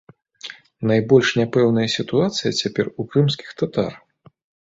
Найбольш няпэўная сітуацыя цяпер у крымскіх татар.